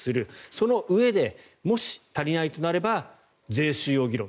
そのうえでもし足りないとなれば税収を議論。